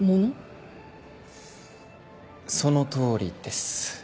そのとおりです。